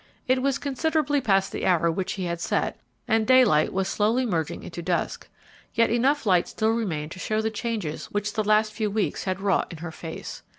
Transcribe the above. It was considerably past the hour which he had set and daylight was slowly merging into dusk, yet enough light still remained to show the changes which the last few weeks had wrought in her face.